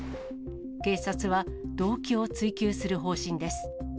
警察は動機を追及する方針です。